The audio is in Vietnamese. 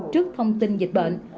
trước thông tin dịch bệnh